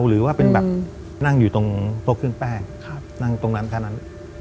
หรือว่าเป็นแบบนั่งอยู่ตรงพวกเครื่องแป้งนั่งตรงนั้นแค่นั้น